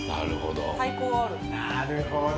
なるほど。